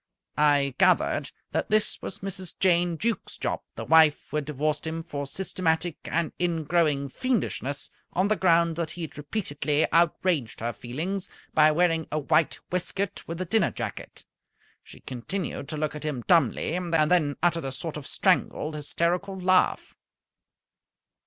I gathered that this was Mrs. Jane Jukes Jopp, the wife who had divorced him for systematic and ingrowing fiendishness on the ground that he had repeatedly outraged her feelings by wearing a white waistcoat with a dinner jacket. She continued to look at him dumbly, and then uttered a sort of strangled, hysterical laugh.